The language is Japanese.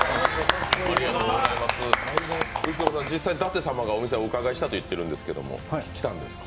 実際に舘様がお店にお伺いしたと言ってるんですが、来たんですか？